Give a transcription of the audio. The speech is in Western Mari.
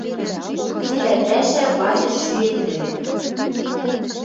Цилӓ пӓшӓ вазеш шӱэт вӹк.